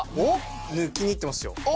抜きにいってますよ。